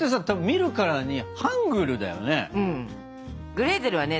グレーテルはね